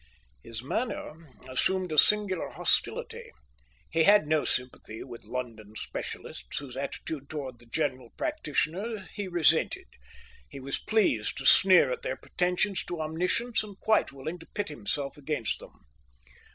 His manner assumed a singular hostility. He had no sympathy with London specialists, whose attitude towards the general practitioner he resented. He was pleased to sneer at their pretensions to omniscience, and quite willing to pit himself against them.